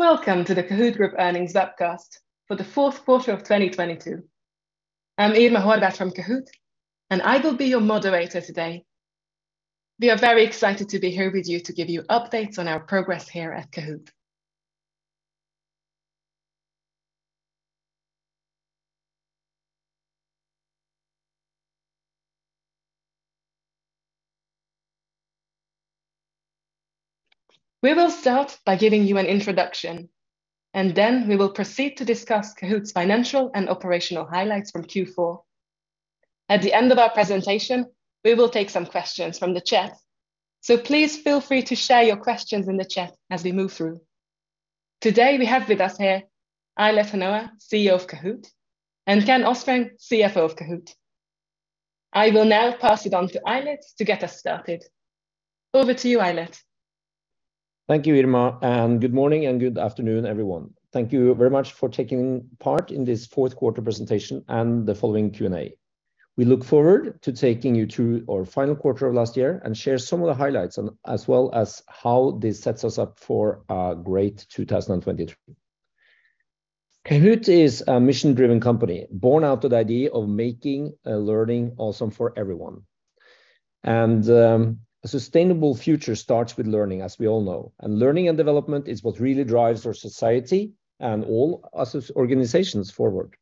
Welcome to the Kahoot! group earnings webcast for the fourth quarter of 2022. I'm Irma Horvath from Kahoot!, and I will be your moderator today. We are very excited to be here with you to give you updates on our progress here at Kahoot!. We will start by giving you an introduction, and then we will proceed to discuss Kahoot!'s financial and operational highlights from Q4. At the end of our presentation, we will take some questions from the chat, so please feel free to share your questions in the chat as we move through. Today we have with us here Eilert Hanoa, CEO of Kahoot!, and Ken Østreng, CFO of Kahoot!. I will now pass it on to Eilert to get us started. Over to you, Eilert. Thank you, Irma. Good morning and good afternoon, everyone. Thank you very much for taking part in this fourth quarter presentation and the following Q&A. We look forward to taking you through our final quarter of last year and share some of the highlights and as well as how this sets us up for a great 2023. Kahoot! is a mission-driven company born out of the idea of making learning awesome for everyone. A sustainable future starts with learning, as we all know. Learning and development is what really drives our society and all us as organizations forward.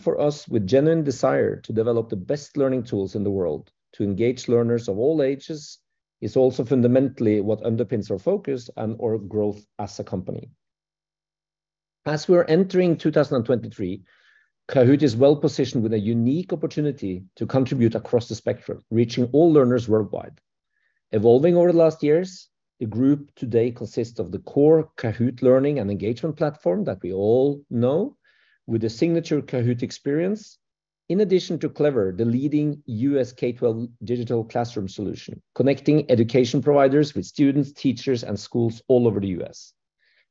For us, with genuine desire to develop the best learning tools in the world to engage learners of all ages is also fundamentally what underpins our focus and our growth as a company. We are entering 2023, Kahoot! is well-positioned with a unique opportunity to contribute across the spectrum, reaching all learners worldwide. Evolving over the last years, the group today consists of the core Kahoot! learning and engagement platform that we all know with the signature Kahoot! experience. In addition to Clever, the leading U.S. K-12 digital classroom solution, connecting education providers with students, teachers, and schools all over the U.S.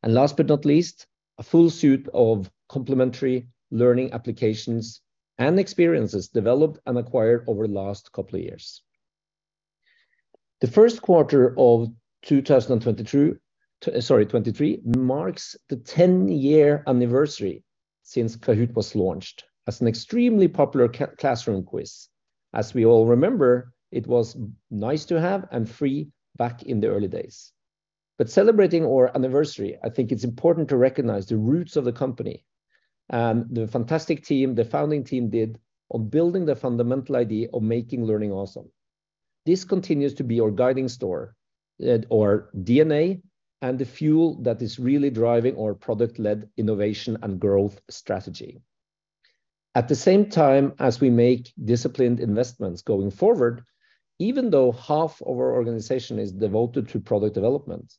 Last but not least, a full suit of complementary learning applications and experiences developed and acquired over the last couple of years. The first quarter of 2022, sorry, 23 marks the 10-year anniversary since Kahoot! was launched as an extremely popular classroom quiz. We all remember, it was nice to have and free back in the early days. Celebrating our anniversary, I think it's important to recognize the roots of the company and the fantastic team, the founding team did on building the fundamental idea of making learning awesome. This continues to be our guiding star, our DNA, and the fuel that is really driving our product-led innovation and growth strategy. At the same time, as we make disciplined investments going forward, even though half of our organization is devoted to product development,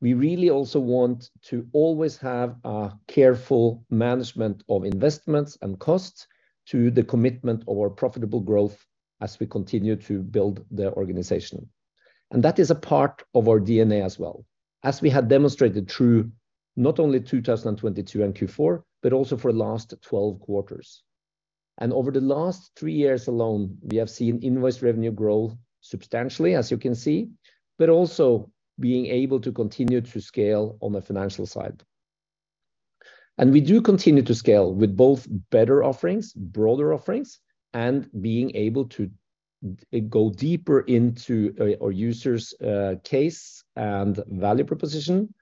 we really also want to always have a careful management of investments and costs to the commitment of our profitable growth as we continue to build the organization. That is a part of our DNA as well, as we have demonstrated through not only 2022 and Q4, but also for the last 12 quarters. Over the last three years alone, we have seen invoice revenue grow substantially, as you can see, but also being able to continue to scale on the financial side. We do continue to scale with both better offerings, broader offerings, and being able to go deeper into our users' case and value proposition.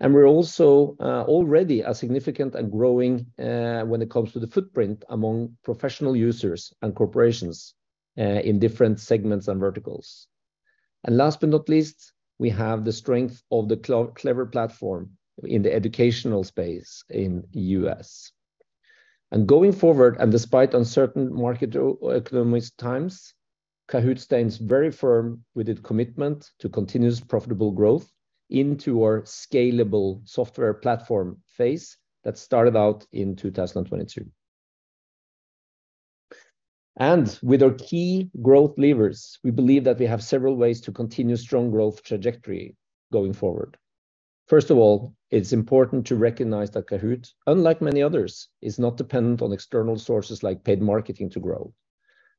We're also already a significant and growing when it comes to the footprint among professional users and corporations in different segments and verticals. Last but not least, we have the strength of the Clever platform in the educational space in U.S. Going forward, and despite uncertain market or economic times, Kahoot! stands very firm with its commitment to continuous profitable growth into our scalable software platform phase that started out in 2022. With our key growth levers, we believe that we have several ways to continue strong growth trajectory going forward. First of all, it's important to recognize that Kahoot!, unlike many others, is not dependent on external sources like paid marketing to grow.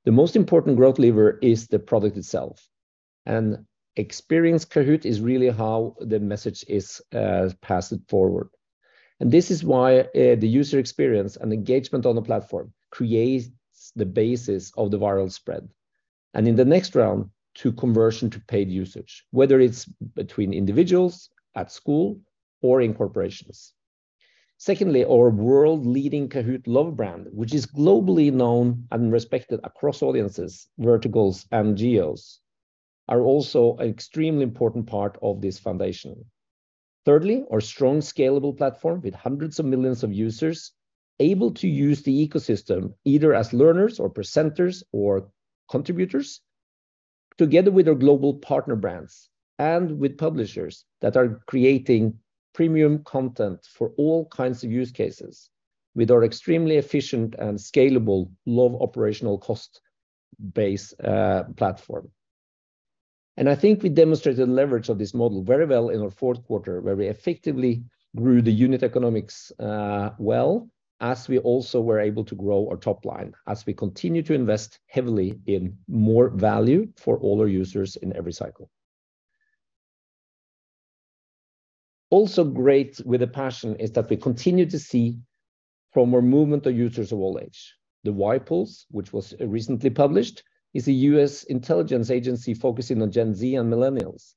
The most important growth lever is the product itself. Experience Kahoot! is really how the message is passed forward. This is why the user experience and engagement on the platform creates the basis of the viral spread. In the next round, to conversion to paid usage, whether it's between individuals at school or in corporations. Secondly, our world-leading Kahoot! love brand, which is globally known and respected across audiences, verticals, and geos, are also an extremely important part of this foundation. Thirdly, our strong scalable platform with hundreds of millions of users able to use the ecosystem either as learners or presenters or contributors, together with our global partner brands and with publishers that are creating premium content for all kinds of use cases with our extremely efficient and scalable low operational cost base, platform. I think we demonstrated the leverage of this model very well in our fourth quarter, where we effectively grew the unit economics, well as we also were able to grow our top line as we continue to invest heavily in more value for all our users in every cycle. Also great with the passion is that we continue to see from our movement of users of all age. The YPulse, which was recently published, is a U.S. intelligence agency focusing on Gen Z and millennials,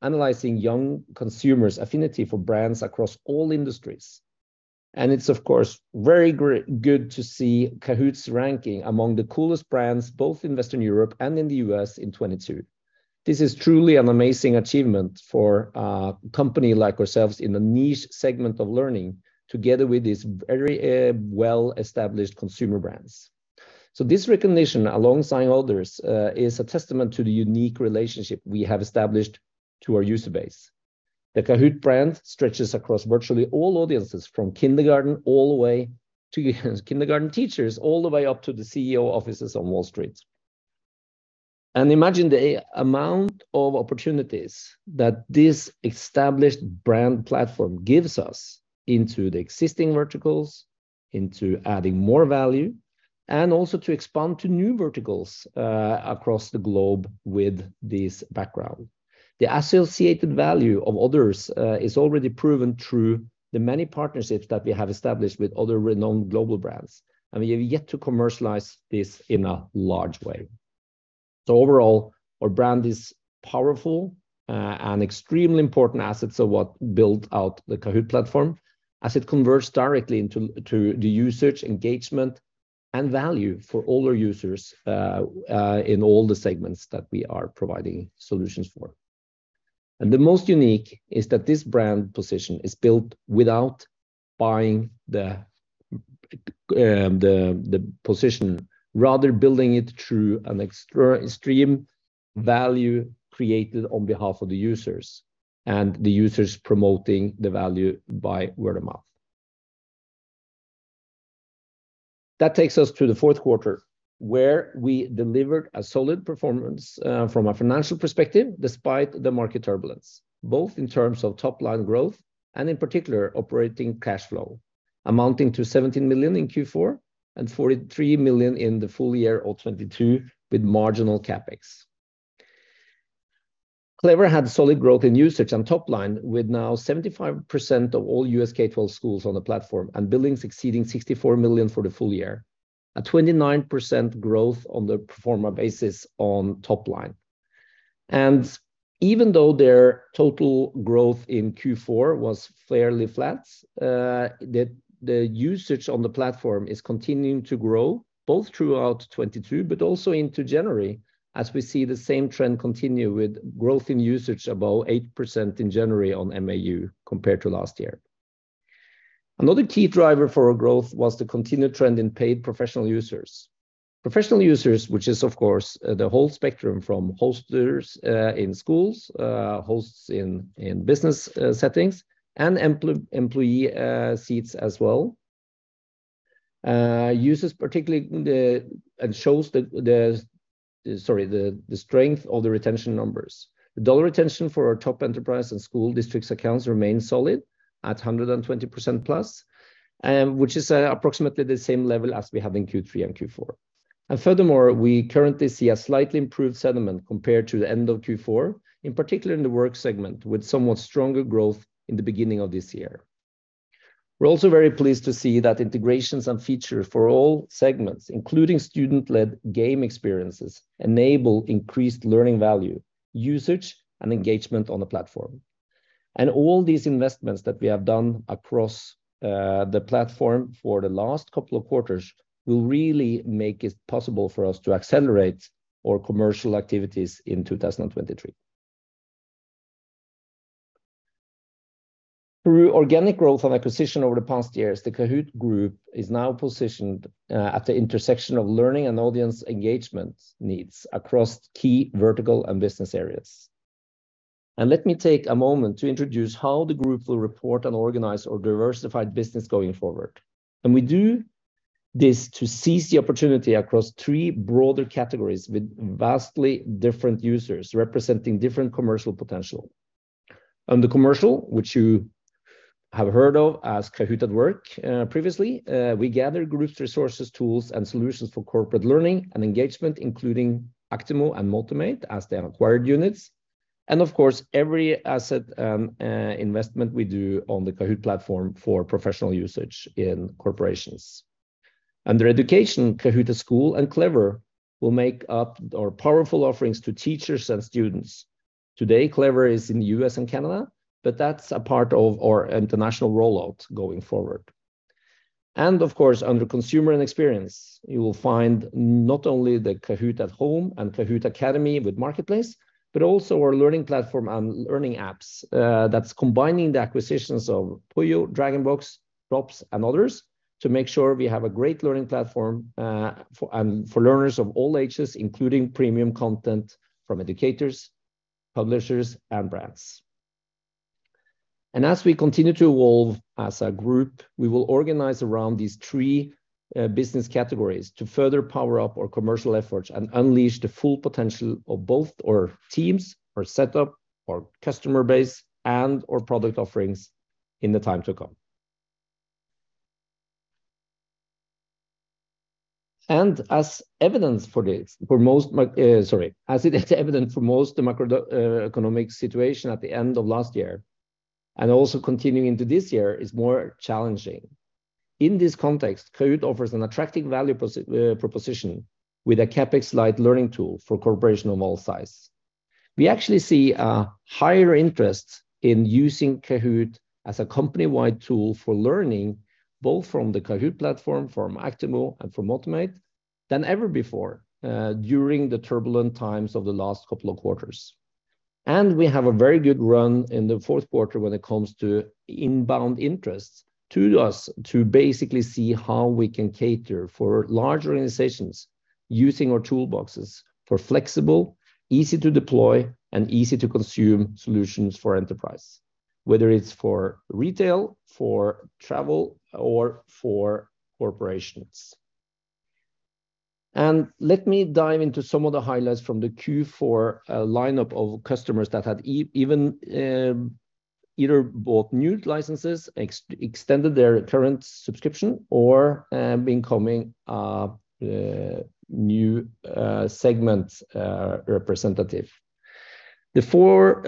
analyzing young consumers' affinity for brands across all industries. It's of course very good to see Kahoot!'s ranking among the coolest brands, both in Western Europe and in the U.S. in 2022. This is truly an amazing achievement for a company like ourselves in a niche segment of learning together with these very well-established consumer brands. This recognition alongside others is a testament to the unique relationship we have established to our user base. The Kahoot! brand stretches across virtually all audiences, from kindergarten all the way to kindergarten teachers, all the way up to the CEO offices on Wall Street. Imagine the amount of opportunities that this established brand platform gives us into the existing verticals, into adding more value, and also to expand to new verticals across the globe with this background. The associated value of others, is already proven through the many partnerships that we have established with other renowned global brands. We have yet to commercialize this in a large way. Overall, our brand is powerful, and extremely important assets of what build out the Kahoot! platform as it converts directly into the usage, engagement, and value for all our users, in all the segments that we are providing solutions for. The most unique is that this brand position is built without buying the position, rather building it through an extra extreme value created on behalf of the users and the users promoting the value by word of mouth. That takes us to the fourth quarter, where we delivered a solid performance from a financial perspective, despite the market turbulence, both in terms of top-line growth and in particular operating cash flow, amounting to $17 million in Q4 and $43 million in the full year of 2022 with marginal CapEx. Clever had solid growth in usage and top line, with now 75% of all U.S. K-12 schools on the platform and billings exceeding $64 million for the full year, a 29% growth on the pro forma basis on top line. Even though their total growth in Q4 was fairly flat, the usage on the platform is continuing to grow both throughout 2022 but also into January as we see the same trend continue with growth in usage above 8% in January on MAU compared to last year. Another key driver for our growth was the continued trend in paid professional users. Professional users, which is of course the whole spectrum from hosters, in schools, hosts in business, settings, and employee seats as well. users particularly and shows the, sorry, the strength of the retention numbers. The dollar retention for our top enterprise and school districts accounts remain solid at 120%+, which is approximately the same level as we have in Q3 and Q4. Furthermore, we currently see a slightly improved sentiment compared to the end of Q4, in particular in the work segment, with somewhat stronger growth in the beginning of this year. We're also very pleased to see that integrations and features for all segments, including student-led game experiences, enable increased learning value, usage, and engagement on the platform. All these investments that we have done across the platform for the last couple of quarters will really make it possible for us to accelerate our commercial activities in 2023. Through organic growth and acquisition over the past years, the Kahoot! group is now positioned at the intersection of learning and audience engagement needs across key vertical and business areas. Let me take a moment to introduce how the group will report and organize our diversified business going forward. We do this to seize the opportunity across three broader categories with vastly different users representing different commercial potential. Under commercial, which you have heard of as Kahoot! at Work previously, we gather groups, resources, tools, and solutions for corporate learning and engagement, including Actimo and Motimate as the acquired units. Of course, every asset and investment we do on the Kahoot! platform for professional usage in corporations. Under education, Kahoot! at School and Clever will make up our powerful offerings to teachers and students. Today, Clever is in the U.S. and Canada, but that's a part of our international rollout going forward. Of course, under consumer and experience, you will find not only the Kahoot! at Home and Kahoot! Academy with Marketplace, but also our learning platform and learning apps, that's combining the acquisitions of Poio, DragonBox, Drops, and others to make sure we have a great learning platform for learners of all ages, including premium content from educators, publishers, and brands. As we continue to evolve as a group, we will organize around these three business categories to further power up our commercial efforts and unleash the full potential of both our teams, our setup, our customer base, and our product offerings in the time to come. As it is evident for most macroeconomic situation at the end of last year, and also continuing into this year, is more challenging. In this context, Kahoot! offers an attractive value proposition with a CapEx light learning tool for corporation of all size. We actually see a higher interest in using Kahoot! as a company-wide tool for learning, both from the Kahoot! platform, from Actimo, and from Motimate than ever before during the turbulent times of the last couple of quarters. We have a very good run in the fourth quarter when it comes to inbound interests to us to basically see how we can cater for large organizations using our toolboxes for flexible, easy to deploy, and easy to consume solutions for enterprise, whether it's for retail, for travel, or for corporations. Let me dive into some of the highlights from the Q4 lineup of customers that had even either bought new licenses, extended their current subscription, or been coming new segment representative. The four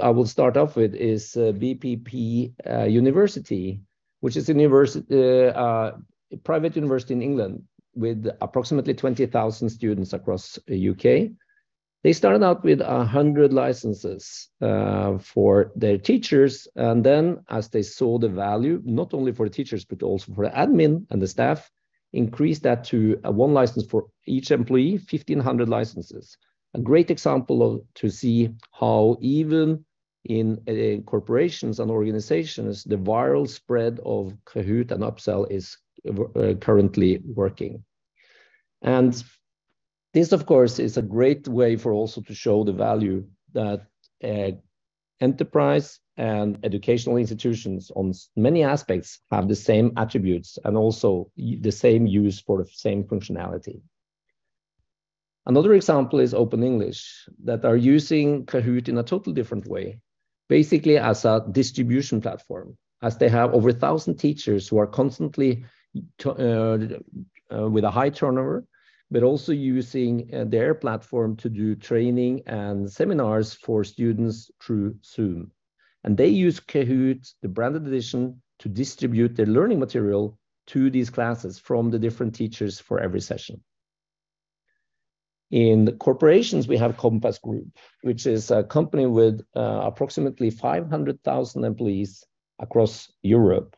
I will start off with is BPP University, which is a private university in England with approximately 20,000 students across U.K. They started out with 100 licenses for their teachers. As they saw the value, not only for the teachers, but also for the admin and the staff, increased that to 1 license for each employee, 1,500 licenses. A great example to see how even in corporations and organizations, the viral spread of Kahoot! and upsell is currently working. This, of course, is a great way for also to show the value that enterprise and educational institutions on many aspects have the same attributes and also the same use for the same functionality. Another example is Open English, that are using Kahoot! in a total different way. Basically, as a distribution platform, as they have over 1,000 teachers who are constantly to with a high turnover, but also using their platform to do training and seminars for students through Zoom. They use Kahoot!, the branded edition, to distribute their learning material to these classes from the different teachers for every session. In the corporations, we have Compass Group, which is a company with approximately 500,000 employees across Europe,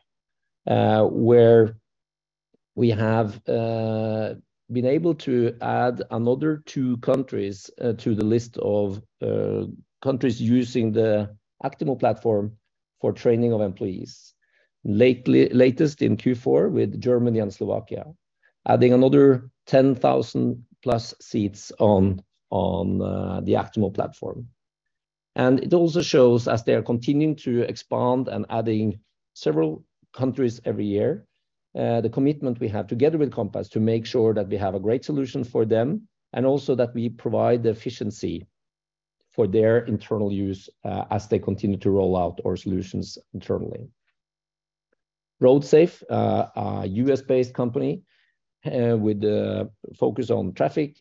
where we have been able to add another two countries to the list of countries using the Actimo platform for training of employees. Latest in Q4 with Germany and Slovakia, adding another 10,000+ seats on the Actimo platform. It also shows as they are continuing to expand and adding several countries every year, the commitment we have together with Compass to make sure that we have a great solution for them, and also that we provide the efficiency for their internal use, as they continue to roll out our solutions internally. Roadsafe, a U.S.-based company, with a focus on traffic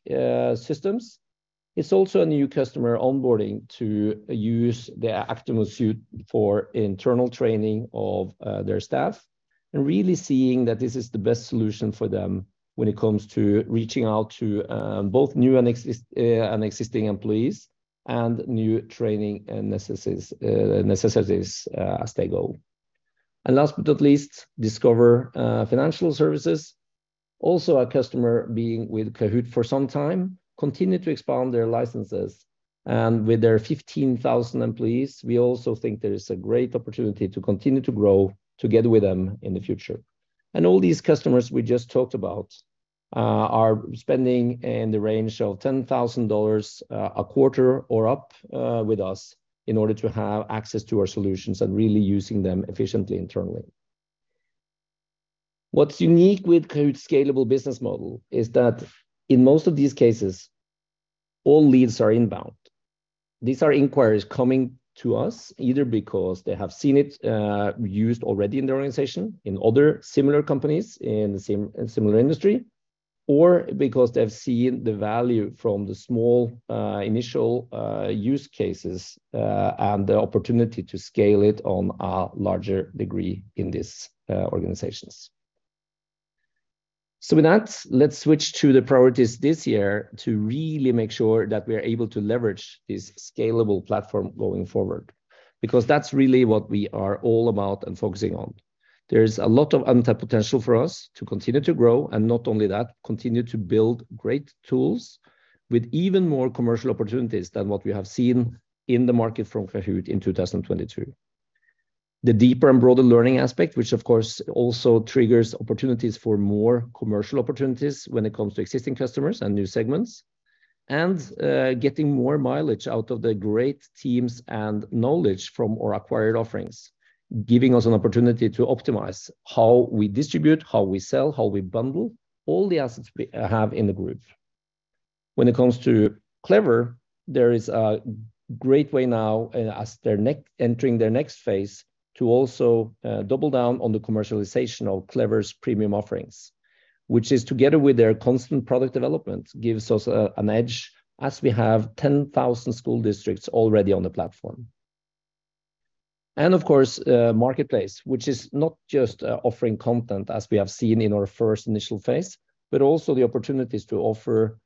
systems. It's also a new customer onboarding to use their Actimo suite for internal training of their staff and really seeing that this is the best solution for them when it comes to reaching out to both new and existing employees and new training and necessities as they go. Last but not least, Discover Financial Services, also a customer being with Kahoot! for some time, continue to expand their licenses. With their 15,000 employees, we also think there is a great opportunity to continue to grow together with them in the future. All these customers we just talked about, are spending in the range of $10,000 a quarter or up, with us in order to have access to our solutions and really using them efficiently internally. What's unique with Kahoot!'s scalable business model is that in most of these cases, all leads are inbound. These are inquiries coming to us either because they have seen it used already in their organization, in other similar companies in the similar industry, or because they've seen the value from the small, initial use cases, and the opportunity to scale it on a larger degree in these organizations. With that, let's switch to the priorities this year to really make sure that we are able to leverage this scalable platform going forward, because that's really what we are all about and focusing on. There is a lot of untapped potential for us to continue to grow, and not only that, continue to build great tools with even more commercial opportunities than what we have seen in the market from Kahoot! in 2022. The deeper and broader learning aspect, which of course also triggers opportunities for more commercial opportunities when it comes to existing customers and new segments, and getting more mileage out of the great teams and knowledge from our acquired offerings, giving us an opportunity to optimize how we distribute, how we sell, how we bundle all the assets we have in the group. When it comes to Clever, there is a great way now as they're entering their next phase to also double down on the commercialization of Clever's premium offerings, which is together with their constant product development, gives us an edge as we have 10,000 school districts already on the platform. Of course, marketplace, which is not just offering content as we have seen in our first initial phase, but also the opportunities to offer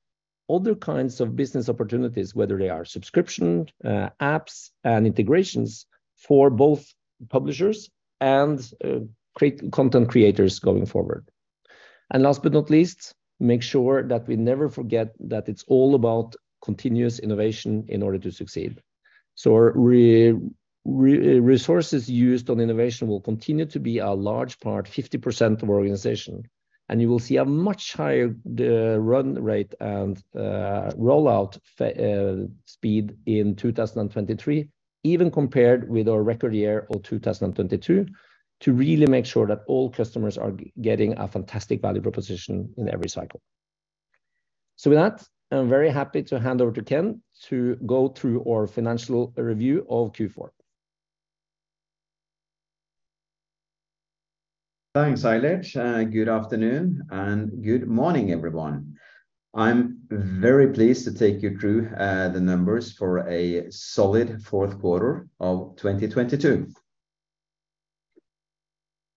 other kinds of business opportunities, whether they are subscription, apps and integrations for both publishers and content creators going forward. Last but not least, make sure that we never forget that it's all about continuous innovation in order to succeed. Resources used on innovation will continue to be a large part, 50% of our organization, and you will see a much higher run rate and rollout speed in 2023 even compared with our record year of 2022, to really make sure that all customers are getting a fantastic value proposition in every cycle. With that, I'm very happy to hand over to Ken to go through our financial review of Q4. Thanks, Eilert. Good afternoon and good morning, everyone. I'm very pleased to take you through the numbers for a solid fourth quarter of 2022.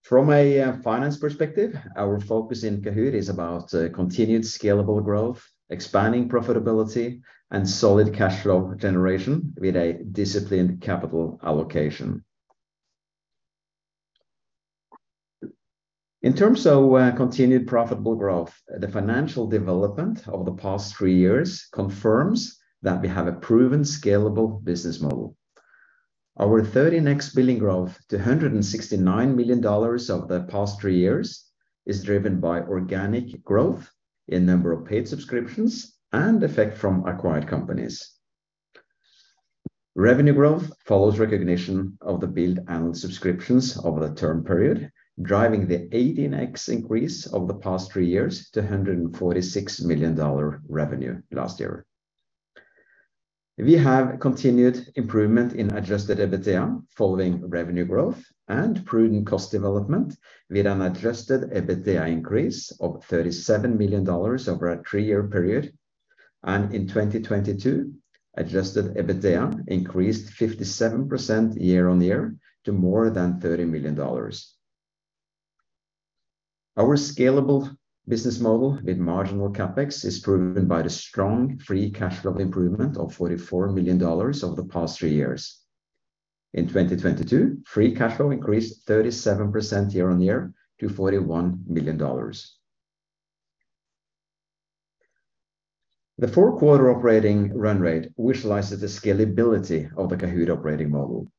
From a finance perspective, our focus in Kahoot! is about continued scalable growth, expanding profitability and solid cash flow generation with a disciplined capital allocation. In terms of continued profitable growth, the financial development over the past three years confirms that we have a proven scalable business model. Our 30 next billing growth to $169 million over the past three years is driven by organic growth in number of paid subscriptions and effect from acquired companies. Revenue growth follows recognition of the billed annual subscriptions over the term period, driving the 18x increase over the past three years to $146 million revenue last year. We have continued improvement in adjusted EBITDA following revenue growth and prudent cost development with an adjusted EBITDA increase of $37 million over a three-year period. In 2022, adjusted EBITDA increased 57% year-on-year to more than $30 million. Our scalable business model with marginal CapEx is proven by the strong free cash flow improvement of $44 million over the past three years. In 2022, free cash flow increased 37% year-on-year to $41 million. The four-quarter operating run rate visualizes the scalability of the Kahoot! operating model.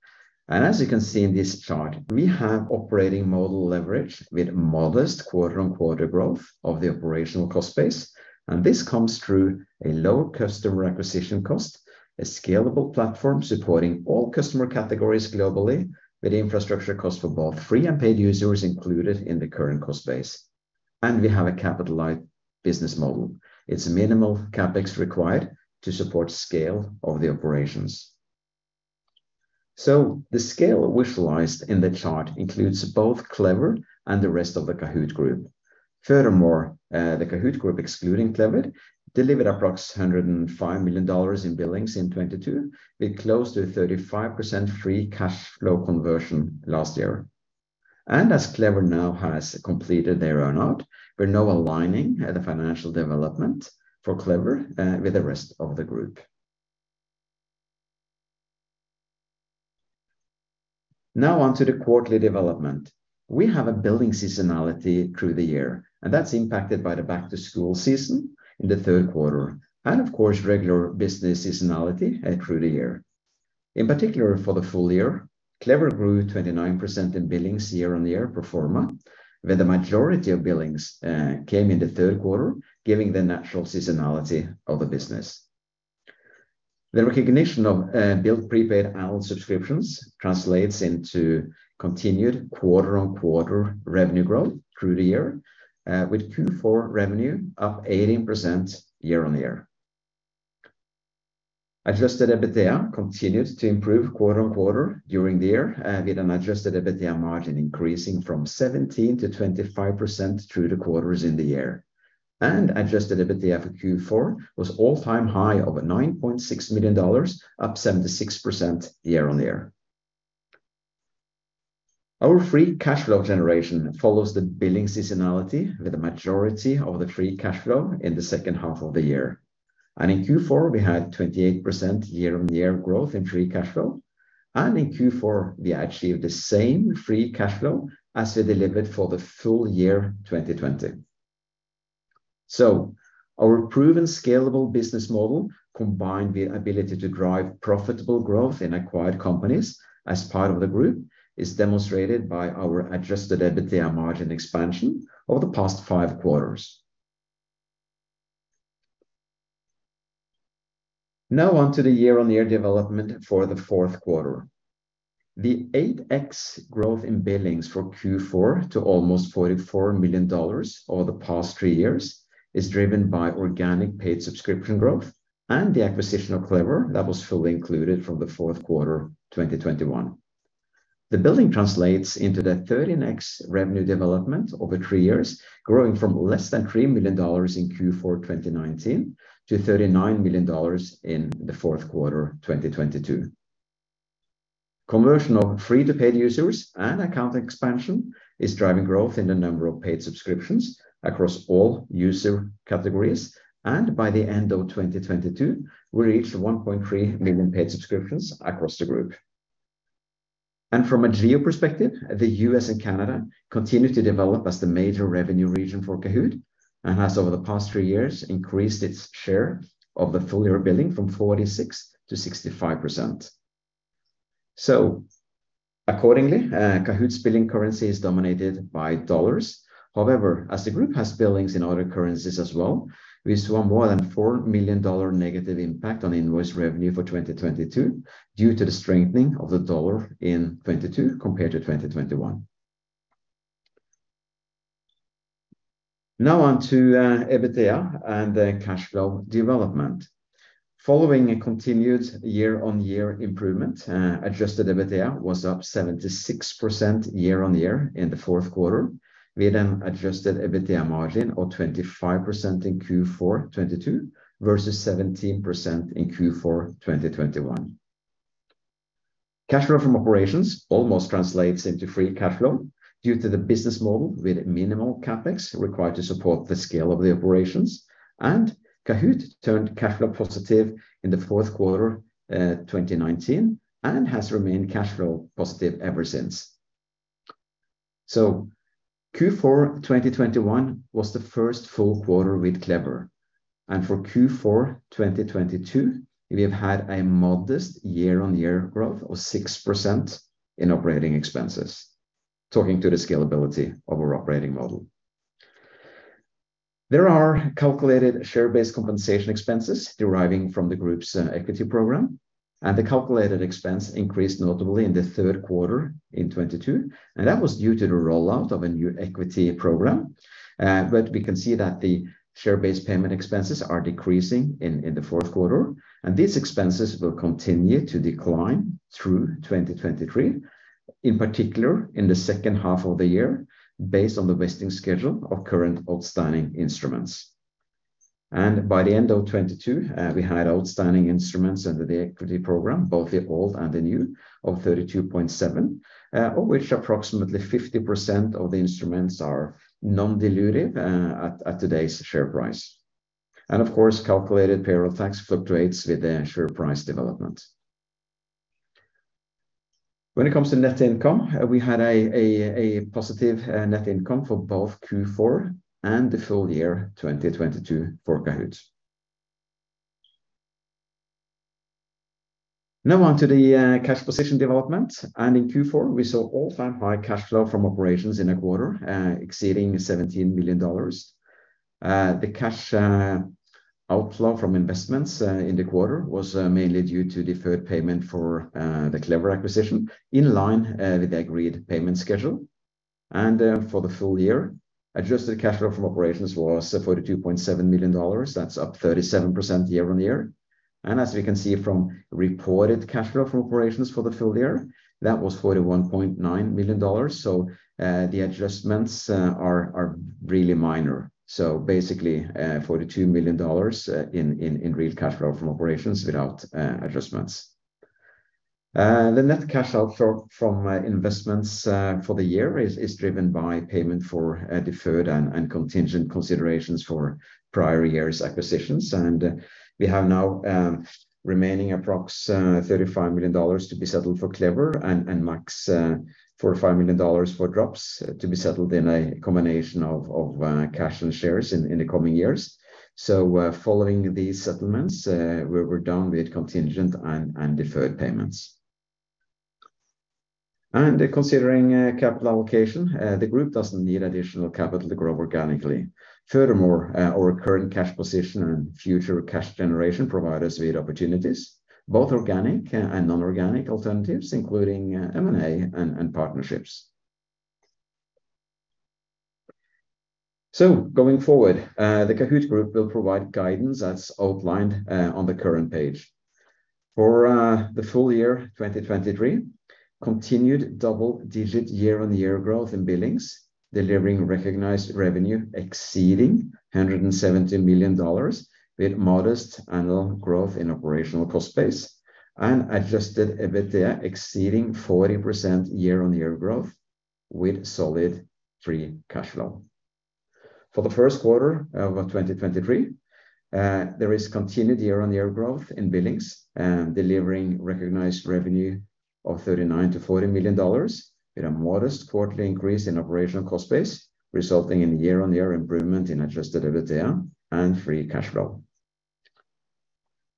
As you can see in this chart, we have operating model leverage with modest quarter-on-quarter growth of the operational cost base, and this comes through a lower customer acquisition cost, a scalable platform supporting all customer categories globally with infrastructure costs for both free and paid users included in the current cost base. We have a capitalized business model. It's minimal CapEx required to support scale of the operations. The scale visualized in the chart includes both Clever and the rest of the Kahoot! group. Furthermore, the Kahoot! group, excluding Clever, delivered approx $105 million in billings in 2022, with close to 35% free cash flow conversion last year. As Clever now has completed their run out, we're now aligning the financial development for Clever with the rest of the group. Now onto the quarterly development. We have a billing seasonality through the year, and that's impacted by the back-to-school season in the third quarter and of course, regular business seasonality through the year. In particular, for the full year, Clever grew 29% in billings year-on-year pro forma, where the majority of billings came in the third quarter, giving the natural seasonality of the business. The recognition of billed prepaid annual subscriptions translates into continued quarter-on-quarter revenue growth through the year, with Q4 revenue up 18% year-on-year. Adjusted EBITDA continued to improve quarter-on-quarter during the year, with an adjusted EBITDA margin increasing from 17%-25% through the quarters in the year. Adjusted EBITDA for Q4 was all-time high of a $9.6 million, up 76% year-on-year. Our free cash flow generation follows the billing seasonality with the majority of the free cash flow in the second half of the year. In Q4, we had 28% year-on-year growth in free cash flow. In Q4, we achieved the same free cash flow as we delivered for the full year 2020. Our proven scalable business model, combined with ability to drive profitable growth in acquired companies as part of the group, is demonstrated by our adjusted EBITDA margin expansion over the past five quarters. Now on to the year-on-year development for the fourth quarter. The 8x growth in billings for Q4 to almost $44 million over the past three years is driven by organic paid subscription growth and the acquisition of Clever that was fully included from the fourth quarter 2021. The billing translates into the 13x revenue development over three years, growing from less than $3 million in Q4 2019 to $39 million in the fourth quarter 2022. Conversion of free to paid users and account expansion is driving growth in the number of paid subscriptions across all user categories. By the end of 2022, we reached 1.3 million paid subscriptions across the group. From a geo perspective, the U.S. and Canada continue to develop as the major revenue region for Kahoot! And has over the past three years increased its share of the full year billing from 46%-65%. Accordingly, Kahoot!'s billing currency is dominated by dollars. However, as the group has billings in other currencies as well, we saw more than $4 million negative impact on invoice revenue for 2022 due to the strengthening of the dollar in 2022 compared to 2021. Now on to EBITDA and the cash flow development. Following a continued year-on-year improvement, adjusted EBITDA was up 76% year-on-year in the fourth quarter, with an adjusted EBITDA margin of 25% in Q4 2022 versus 17% in Q4 2021. Cash flow from operations almost translates into free cash flow due to the business model with minimal CapEx required to support the scale of the operations. Kahoot! turned cash flow positive in the fourth quarter, 2019 and has remained cash flow positive ever since. Q4 2021 was the first full quarter with Clever. For Q4 2022, we have had a modest year-on-year growth of 6% in operating expenses, talking to the scalability of our operating model. There are calculated share-based compensation expenses deriving from the group's equity program, and the calculated expense increased notably in the third quarter in 2022. That was due to the rollout of a new equity program. But we can see that the share-based payment expenses are decreasing in the fourth quarter, and these expenses will continue to decline through 2023, in particular in the second half of the year, based on the vesting schedule of current outstanding instruments. By the end of 2022, we had outstanding instruments under the equity program, both the old and the new, of 32.7, of which approximately 50% of the instruments are non-dilutive at today's share price. Of course, calculated payroll tax fluctuates with the share price development. When it comes to net income, we had a positive net income for both Q4 and the full year 2022 for Kahoot!. Now on to the cash position development. In Q4 we saw all-time high cash flow from operations in a quarter, exceeding $17 million. The cash outflow from investments in the quarter was mainly due to deferred payment for the Clever acquisition in line with the agreed payment schedule. For the full year, adjusted cash flow from operations was $42.7 million. That's up 37% year-on-year. As we can see from reported cash flow from operations for the full year, that was $41.9 million. The adjustments are really minor. Basically, $42 million in real cash flow from operations without adjustments. The net cash outflow from investments for the year is driven by payment for deferred and contingent considerations for prior years acquisitions. We have now remaining approx $35 million to be settled for Clever and max $45 million for Drops to be settled in a combination of cash and shares in the coming years. Following these settlements, we're done with contingent and deferred payments. Considering capital allocation, the group doesn't need additional capital to grow organically. Furthermore, our current cash position and future cash generation provide us with opportunities, both organic and non-organic alternatives, including M&A and partnerships. Going forward, the Kahoot! group will provide guidance as outlined on the current page. For the full year 2023, continued double-digit year-on-year growth in billings, delivering recognized revenue exceeding $170 million with modest annual growth in operational cost base and adjusted EBITDA exceeding 40% year-on-year growth with solid free cash flow. For the first quarter of 2023, there is continued year-on-year growth in billings, delivering recognized revenue of $39 million-$40 million with a modest quarterly increase in operational cost base, resulting in year-on-year improvement in adjusted EBITDA and free cash flow.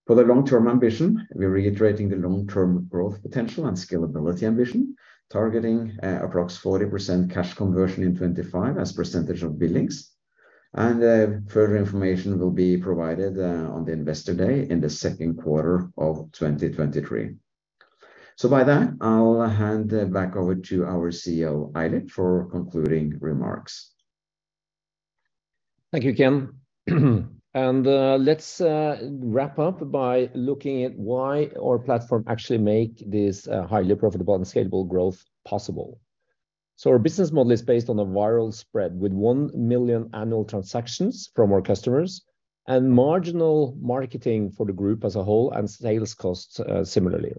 For the long-term ambition, we're reiterating the long-term growth potential and scalability ambition, targeting approx 40% cash conversion in 2025 as percent of billings. Further information will be provided on the investor day in the second quarter of 2023. By that, I'll hand back over to our CEO, Eilert, for concluding remarks. Thank you, Ken. Let's wrap up by looking at why our platform actually make this highly profitable and scalable growth possible. Our business model is based on a viral spread with 1 million annual transactions from our customers and marginal marketing for the group as a whole and sales costs, similarly.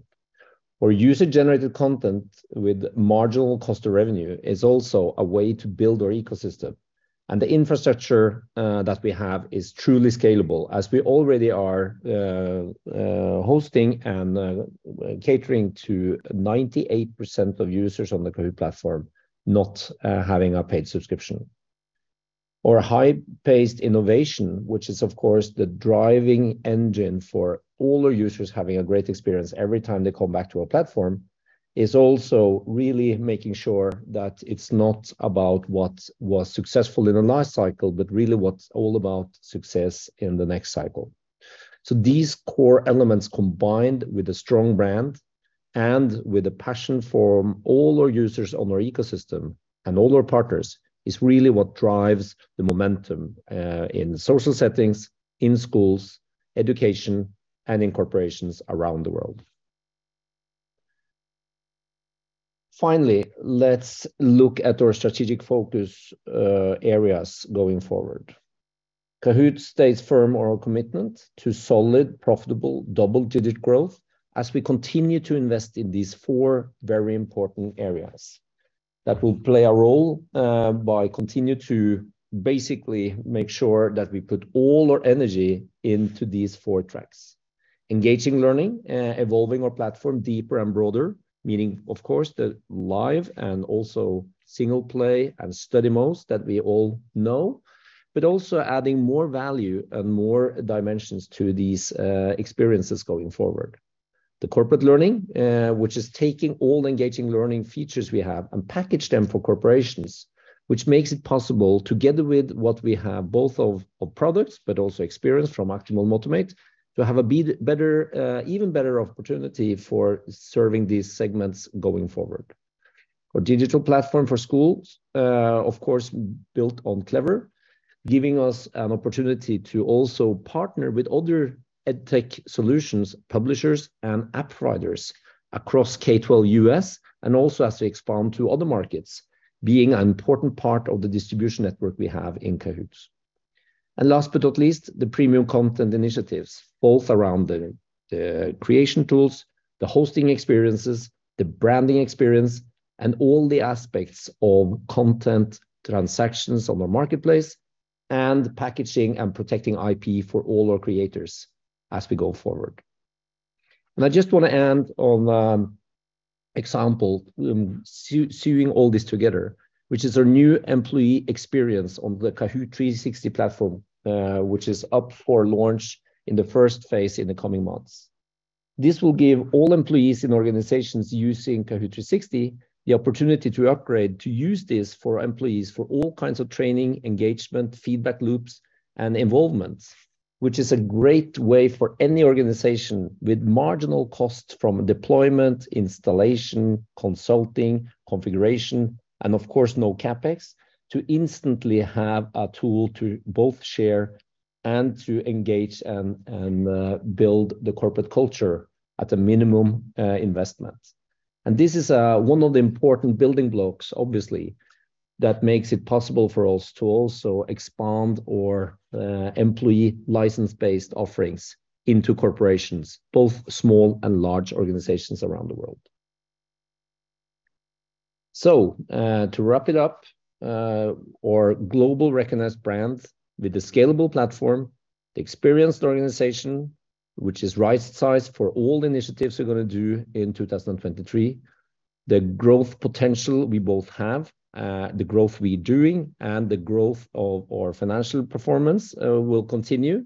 Our user-generated content with marginal cost of revenue is also a way to build our ecosystem. The infrastructure that we have is truly scalable, as we already are hosting and catering to 98% of users on the Kahoot! platform not having a paid subscription. Our high-paced innovation, which is of course the driving engine for all our users having a great experience every time they come back to our platform, is also really making sure that it's not about what was successful in the last cycle, but really what's all about success in the next cycle. These core elements, combined with a strong brand and with a passion for all our users on our ecosystem and all our partners, is really what drives the momentum in social settings, in schools, education, and in corporations around the world. Let's look at our strategic focus areas going forward. Kahoot! stays firm on our commitment to solid, profitable double-digit growth as we continue to invest in these four very important areas that will play a role by continue to basically make sure that we put all our energy into these four tracks. Engaging learning, evolving our platform deeper and broader, meaning of course the live and also single-play and study modes that we all know, but also adding more value and more dimensions to these experiences going forward. The corporate learning, which is taking all engaging learning features we have and package them for corporations, which makes it possible together with what we have both of products but also experience from Actimo Motimate to have a be-better, even better opportunity for serving these segments going forward. Our digital platform for schools, of course, built on Clever, giving us an opportunity to also partner with other EdTech solutions publishers and app providers across K-12 U.S. and also as we expand to other markets, being an important part of the distribution network we have in Kahoot!. Last but not least, the premium content initiatives, both around the creation tools, the hosting experiences, the branding experience, and all the aspects of content transactions on our Marketplace and packaging and protecting IP for all our creators as we go forward. I just wanna end on a example, sew-sewing all this together, which is our new employee experience on the Kahoot! 360 platform, which is up for launch in the first phase in the coming months. This will give all employees in organizations using Kahoot! 360 the opportunity to upgrade to use this for employees for all kinds of training, engagement, feedback loops, and involvement. Which is a great way for any organization with marginal costs from deployment, installation, consulting, configuration, and of course no CapEx, to instantly have a tool to both share and to engage and build the corporate culture at a minimum investment. This is one of the important building blocks, obviously, that makes it possible for us to also expand our employee license-based offerings into corporations, both small and large organizations around the world. To wrap it up, our global recognized brand with the scalable platform, the experienced organization, which is right size for all initiatives we're gonna do in 2023. The growth potential we both have, the growth we doing, and the growth of our financial performance will continue,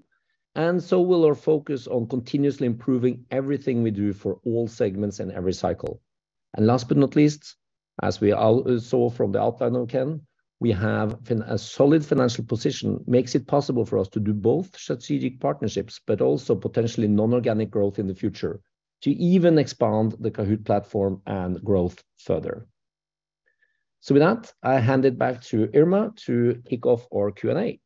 and so will our focus on continuously improving everything we do for all segments in every cycle. Last but not least, as we saw from the outline of Ken, we have a solid financial position, makes it possible for us to do both strategic partnerships, but also potentially non-organic growth in the future to even expand the Kahoot! platform and growth further. With that, I hand it back to Irma to kick off our Q&A.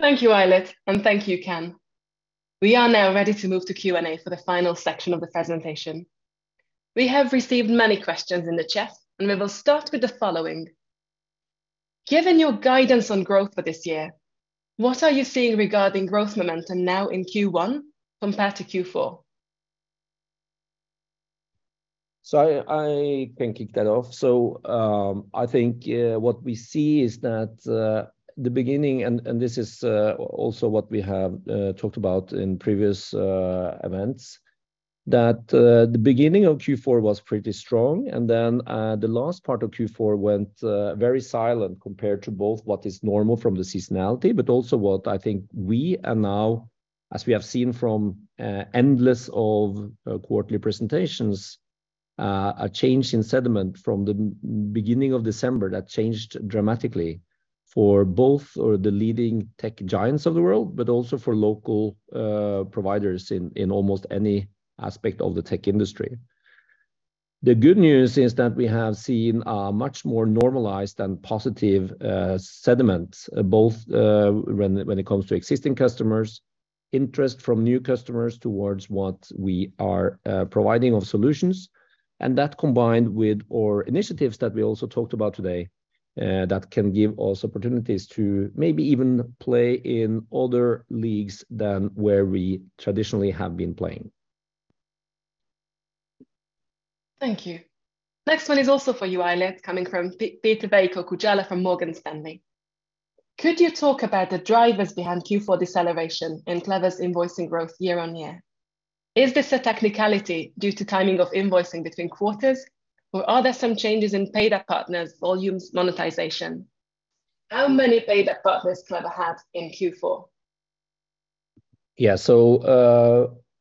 Thank you, Eilert, and thank you, Ken. We are now ready to move to Q&A for the final section of the presentation. We have received many questions in the chat, and we will start with the following: Given your guidance on growth for this year, what are you seeing regarding growth momentum now in Q1 compared to Q4? I can kick that off. I think what we see is that the beginning, and this is also what we have talked about in previous events, that the beginning of Q4 was pretty strong, and then the last part of Q4 went very silent compared to both what is normal from the seasonality, but also what I think we are now, as we have seen from endless of quarterly presentations. A change in sentiment from the beginning of December that changed dramatically for both or the leading tech giants of the world, but also for local providers in almost any aspect of the tech industry. The good news is that we have seen a much more normalized and positive sentiment, both when it comes to existing customers, interest from new customers towards what we are providing of solutions. That combined with our initiatives that we also talked about today, that can give us opportunities to maybe even play in other leagues than where we traditionally have been playing. Thank you. Next one is also for you, Eilert, coming from Peder Børve-Knutsen from Morgan Stanley. Could you talk about the drivers behind Q4 deceleration in Clever's invoicing growth year-over-year? Is this a technicality due to timing of invoicing between quarters, or are there some changes in paid partners volumes monetization? How many paid partners Clever have in Q4?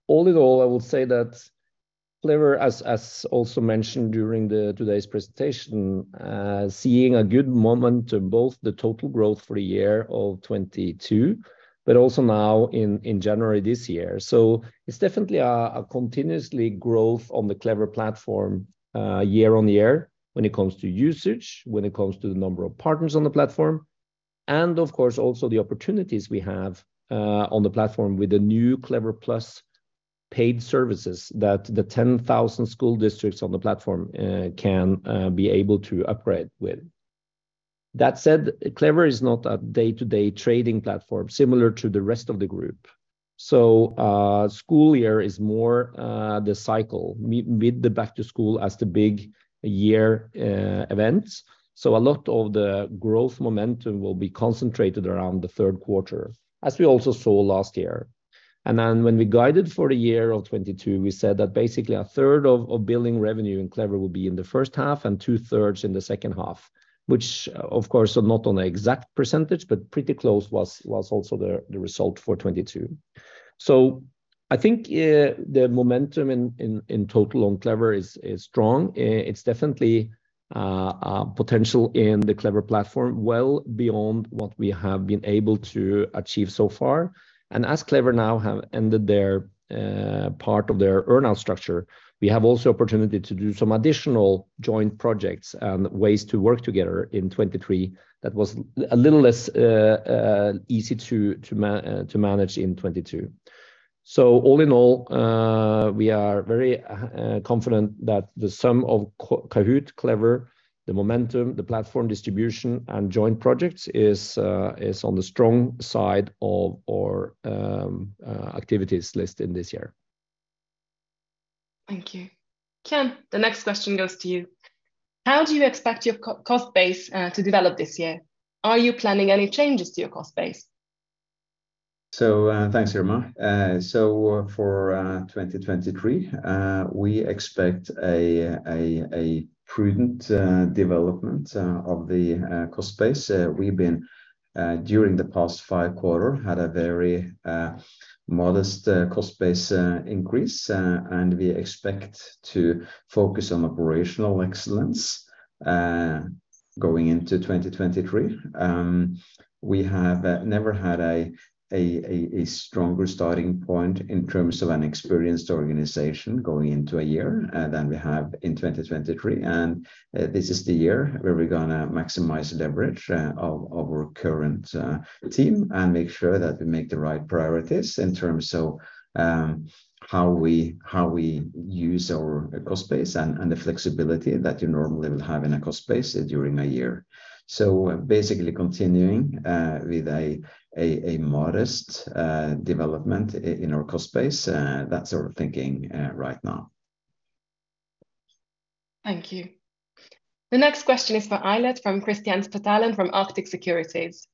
All in all, I would say that Clever, as also mentioned during today's presentation, seeing a good momentum, both the total growth for the year of 2022, but also now in January this year. It's definitely a continuously growth on the Clever platform, year on year when it comes to usage, when it comes to the number of partners on the platform, and of course also the opportunities we have on the platform with the new Clever+ paid services that the 10,000 school districts on the platform can be able to upgrade with. That said, Clever is not a day-to-day trading platform, similar to the rest of the group. School year is more the cycle, mid the back to school as the big year events. A lot of the growth momentum will be concentrated around the third quarter, as we also saw last year. When we guided for the year of 2022, we said that basically a third of billing revenue in Clever will be in the first half and 2/3 in the second half. Which of course are not on an exact percentage, but pretty close was also the result for 2022. I think the momentum in total on Clever is strong. It's definitely potential in the Clever platform, well beyond what we have been able to achieve so far. As Clever now have ended their part of their earn-out structure, we have also opportunity to do some additional joint projects and ways to work together in 2023 that was a little less easy to manage in 2022. All in all, we are very confident that the sum of Kahoot!, Clever, the momentum, the platform distribution, and joint projects is on the strong side of our activities list in this year. Thank you. Ken, the next question goes to you. How do you expect your cost base to develop this year? Are you planning any changes to your cost base? Thanks, Irma. For 2023, we expect a prudent development of the cost base. We've been during the past five quarter, had a very modest cost base increase. We expect to focus on operational excellence going into 2023. We have never had a stronger starting point in terms of an experienced organization going into a year than we have in 2023. This is the year where we're gonna maximize leverage of our current team and make sure that we make the right priorities in terms of how we use our cost base and the flexibility that you normally will have in a cost base during a year. Basically continuing with a modest development in our cost base. That's our thinking right now. Thank you. The next question is for Eilert from Kristian Spetalen from Arctic Securities.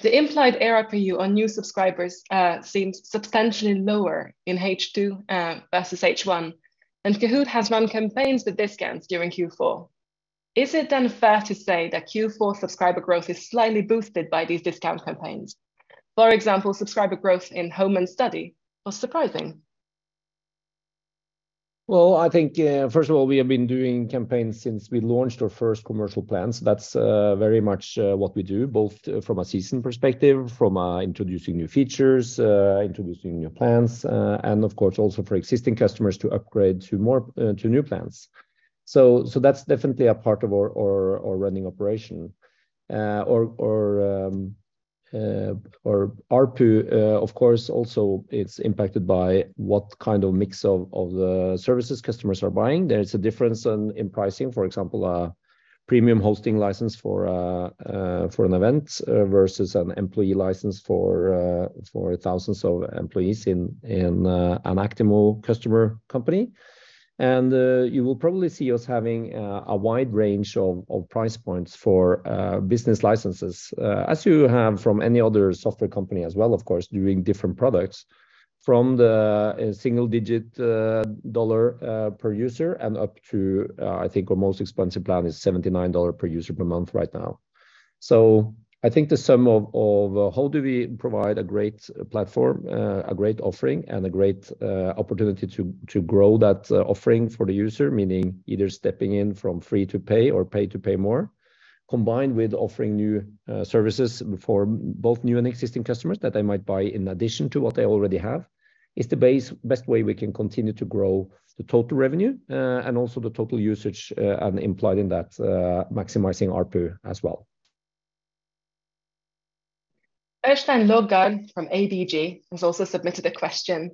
The implied ARPU on new subscribers, seems substantially lower in H2, versus H1. Kahoot! has run campaigns with discounts during Q4. Is it then fair to say that Q4 subscriber growth is slightly boosted by these discount campaigns? For example, subscriber growth in home and study was surprising. Well, I think, first of all, we have been doing campaigns since we launched our first commercial plans. That's very much what we do, both from a season perspective, from introducing new features, introducing new plans, and of course, also for existing customers to upgrade to more to new plans. That's definitely a part of our running operation. Our ARPU, of course, also it's impacted by what kind of mix of the services customers are buying. There is a difference in pricing. For example, a premium hosting license for for an event versus an employee license for for thousands of employees in in an Actimo customer company. You will probably see us having a wide range of price points for business licenses. As you have from any other software company as well, of course, doing different products. From the single digit dollar per user and up to, I think our most expensive plan is $79 per user per month right now. I think the sum of how do we provide a great platform, a great offering, and a great opportunity to grow that offering for the user, meaning either stepping in from free to pay or pay to pay more, combined with offering new services for both new and existing customers that they might buy in addition to what they already have, is the best way we can continue to grow the total revenue, and also the total usage, and implied in that, maximizing ARPU as well. Øystein Elton Lodgaard from ABG has also submitted a question.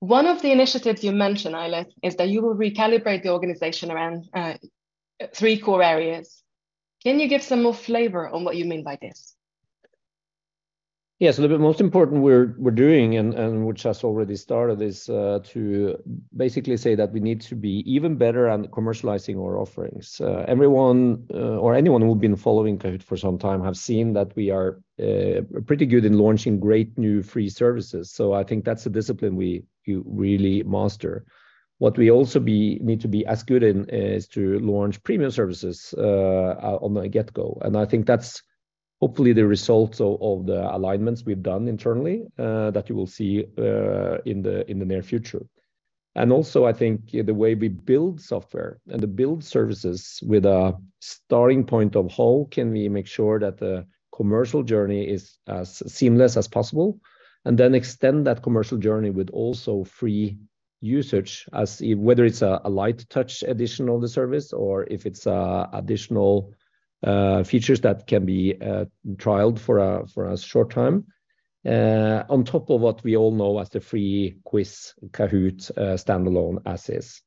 One of the initiatives you mentioned, Eilert Hanoa, is that you will recalibrate the organization around three core areas. Can you give some more flavor on what you mean by this? Yes. The most important we're doing and which has already started is to basically say that we need to be even better at commercializing our offerings. Everyone or anyone who's been following Kahoot! for some time have seen that we are pretty good in launching great new free services. I think that's a discipline we really master. What we also need to be as good in is to launch premium services on the get-go, and I think that's hopefully the result of the alignments we've done internally that you will see in the near future. Also, I think the way we build software and build services with a starting point of how can we make sure that the commercial journey is as seamless as possible, and then extend that commercial journey with also free usage as whether it's a light touch addition on the service or if it's additional features that can be trialed for a short time on top of what we all know as the free quiz Kahoot!, standalone as is.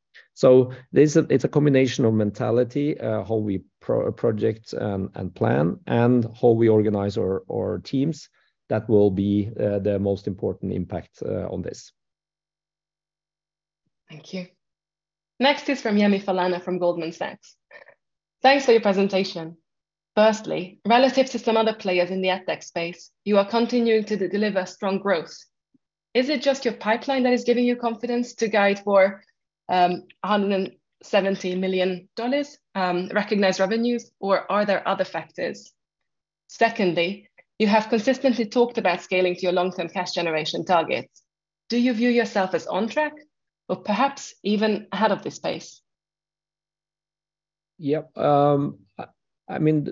There's a, it's a combination of mentality, how we project and plan, and how we organize our teams that will be the most important impact on this. Thank you. Next is from Yemi Falana from Goldman Sachs. Thanks for your presentation. Firstly, relative to some other players in the EdTech space, you are continuing to deliver strong growth. Is it just your pipeline that is giving you confidence to guide for $170 million recognized revenues, or are there other factors? Secondly, you have consistently talked about scaling to your long-term cash generation targets. Do you view yourself as on track or perhaps even ahead of this pace? Yep. I mean,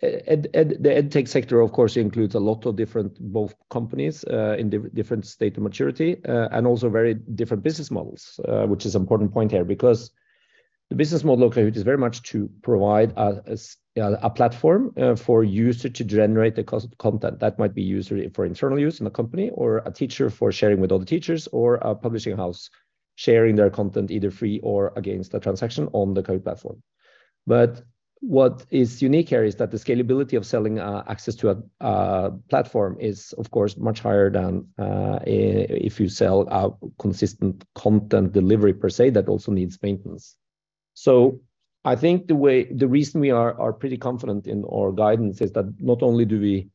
the EdTech sector, of course, includes a lot of different both companies, in different state of maturity, and also very different business models, which is important point here because the business model of Kahoot! is very much to provide a platform, for user to generate the content that might be used for internal use in a company or a teacher for sharing with other teachers or a publishing house sharing their content either free or against a transaction on the Kahoot! platform. What is unique here is that the scalability of selling access to a platform is, of course, much higher than if you sell a consistent content delivery per se that also needs maintenance. I think the reason we are pretty confident in our guidance is that not only do we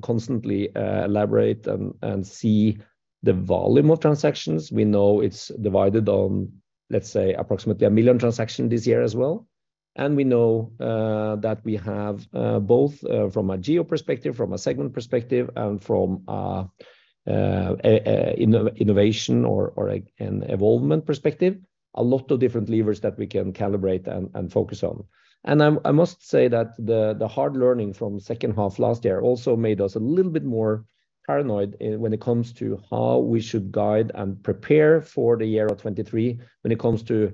constantly elaborate and see the volume of transactions, we know it's divided on, let's say, approximately 1 million transactions this year as well, and we know that we have both from a geo perspective, from a segment perspective, and from innovation or an evolvement perspective, a lot of different levers that we can calibrate and focus on. I must say that the hard learning from second half last year also made us a little bit more paranoid when it comes to how we should guide and prepare for the year of 2023 when it comes to,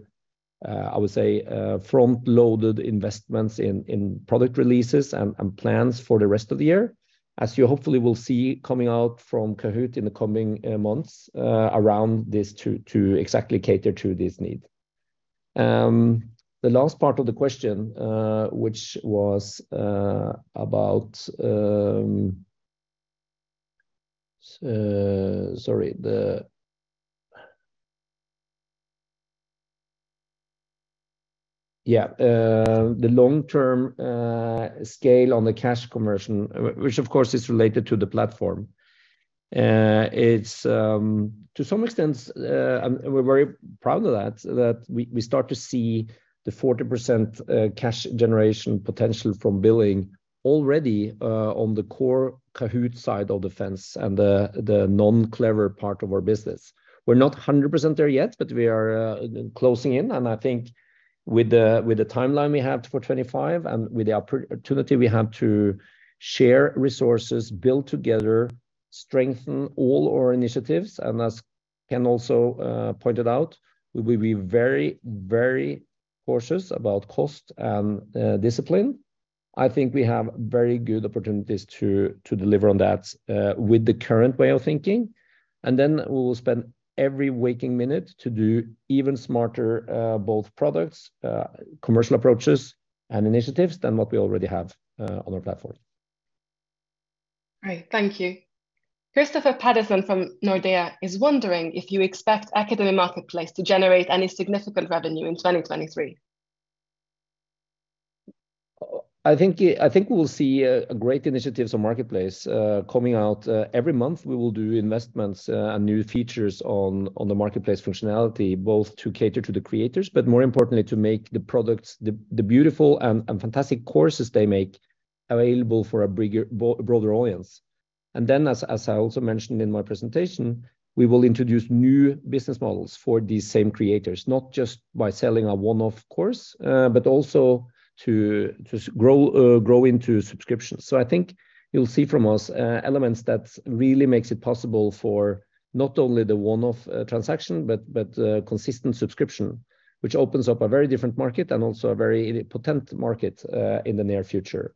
I would say, front-loaded investments in product releases and plans for the rest of the year, as you hopefully will see coming out from Kahoot! in the coming months around this to exactly cater to this need. The last part of the question, which was about, sorry. The long-term scale on the cash conversion, which of course is related to the platform. It's to some extent, and we're very proud of that we start to see the 40% cash generation potential from billing already on the core Kahoot! side of the fence and the non-Clever part of our business. We're not 100% there yet. We are closing in, and I think with the timeline we have for 2025 and with the opportunity we have to share resources, build together, strengthen all our initiatives, and as Ken Østreng also pointed out, we very cautious about cost and discipline. I think we have very good opportunities to deliver on that with the current way of thinking. We will spend every waking minute to do even smarter both products, commercial approaches and initiatives than what we already have on our platform. Great. Thank you. Christopher Patterson from Nordea is wondering if you expect Kahoot! Marketplace to generate any significant revenue in 2023? I think we will see great initiatives on Marketplace coming out. Every month, we will do investments and new features on the Marketplace functionality, both to cater to the creators, but more importantly to make the products, the beautiful and fantastic courses they make available for a broader audience. As I also mentioned in my presentation, we will introduce new business models for these same creators, not just by selling a one-off course, but also to grow into subscriptions. I think you'll see from us elements that really makes it possible for not only the one-off transaction but consistent subscription, which opens up a very different market and also a very potent market in the near future.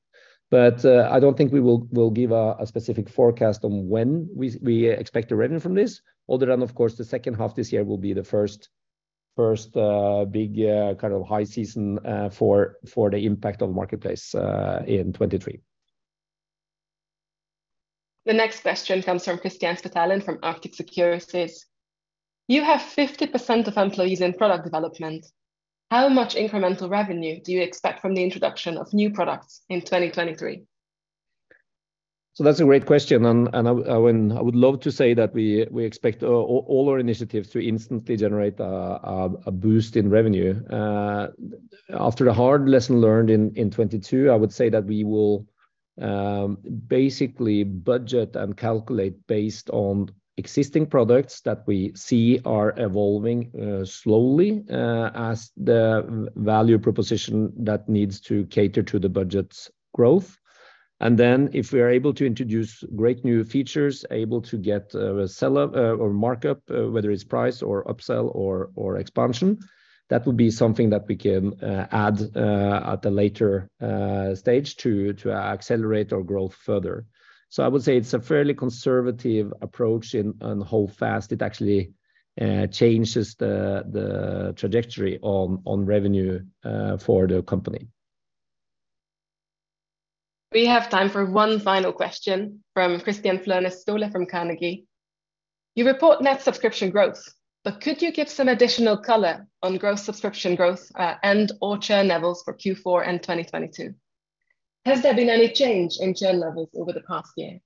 I don't think we will give a specific forecast on when we expect the revenue from this. Other than, of course, the second half this year will be the first big kind of high season for the impact of Marketplace in 2023. The next question comes from Kristian Spetalen from Arctic Securities. You have 50% of employees in product development. How much incremental revenue do you expect from the introduction of new products in 2023? That's a great question, I would love to say that we expect all our initiatives to instantly generate a boost in revenue. After the hard lesson learned in 2022, I would say that we will basically budget and calculate based on existing products that we see are evolving slowly as the value proposition that needs to cater to the budget's growth. If we are able to introduce great new features, able to get a sell or markup, whether it's price or upsell or expansion, that would be something that we can add at a later stage to accelerate our growth further. I would say it's a fairly conservative approach on how fast it actually changes the trajectory on revenue for the company. We have time for one final question from Kristian Flørnes from Carnegie. You report net subscription growth, could you give some additional color on growth, subscription growth, and or churn levels for Q4 and 2022? Has there been any change in churn levels over the past year?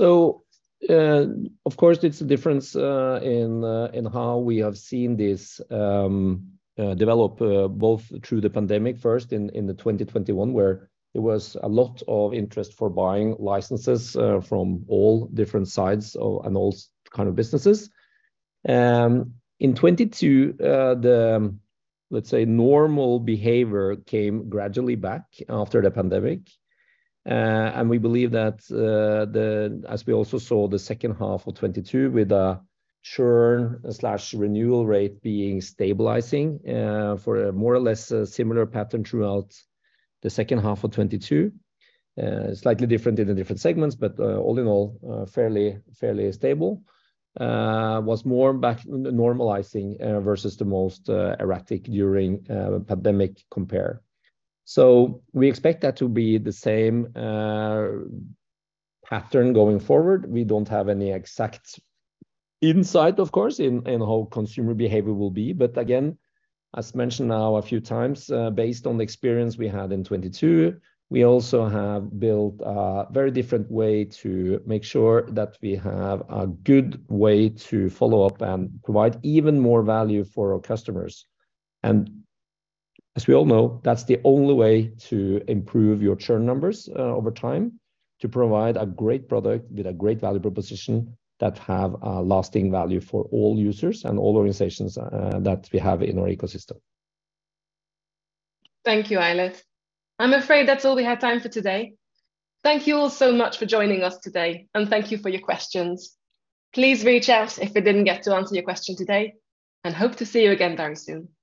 Of course, it's a difference in how we have seen this develop both through the pandemic first in 2021, where there was a lot of interest for buying licenses from all different sides of and all kind of businesses. In 2022, let's say, normal behavior came gradually back after the pandemic. We believe that as we also saw the second half of 2022 with a churn/renewal rate being stabilizing for a more or less similar pattern throughout the second half of 2022. Slightly different in the different segments, but all in all, fairly stable. Was more back normalizing versus the most erratic during pandemic compare. We expect that to be the same pattern going forward. We don't have any exact insight, of course, in how consumer behavior will be. Again, as mentioned now a few times, based on the experience we had in 2022, we also have built a very different way to make sure that we have a good way to follow up and provide even more value for our customers. As we all know, that's the only way to improve your churn numbers, over time, to provide a great product with a great value proposition that have a lasting value for all users and all organizations, that we have in our ecosystem. Thank you, Eilert. I'm afraid that's all we have time for today. Thank you all so much for joining us today, and thank you for your questions. Please reach out if we didn't get to answer your question today, and hope to see you again very soon. Thank you.